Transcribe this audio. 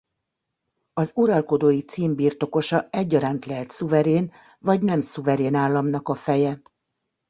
Az uralkodói cím birtokosa egyaránt lehet szuverén vagy nem szuverén államnak a feje.